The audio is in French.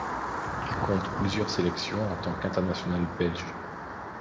Il compte plusieurs sélections en tant qu'international belge.